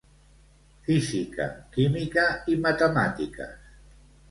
Física, química i matemàtiques.